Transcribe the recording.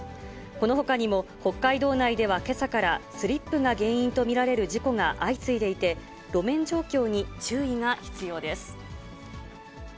このほかにも北海道内ではけさから、スリップが原因と見られる事故が相次いでいて、路面状況に注意が必要です。